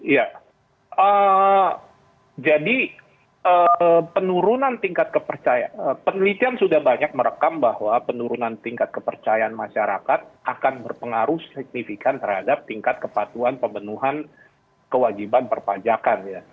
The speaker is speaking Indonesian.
ya jadi penurunan tingkat kepercayaan penelitian sudah banyak merekam bahwa penurunan tingkat kepercayaan masyarakat akan berpengaruh signifikan terhadap tingkat kepatuhan pemenuhan kewajiban perpajakan